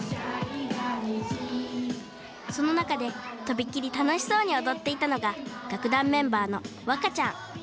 その中で飛び切り楽しそうに踊っていたのが楽団メンバーのわかちゃん。